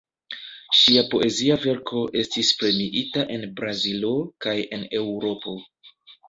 Ŝia poezia verko estis premiita en Brazilo kaj en Eŭropo.